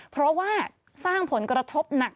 เพราะว่าสร้างผลกระทบหนัก